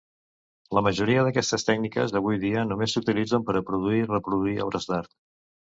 La majoria d'aquestes tècniques avui dia només s'utilitzen per a produir i reproduir obres d'art.